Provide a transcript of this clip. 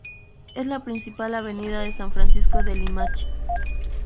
Es la principal avenida de San Francisco de Limache.